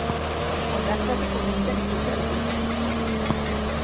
Hondartzatik urruntzen ikusi ditugu.